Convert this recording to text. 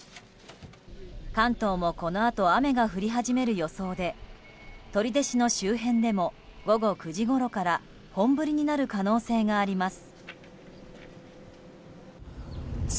関東も、このあと雨が降り始める予想で取手市の周辺でも午後９時ごろから本降りになる可能性があります。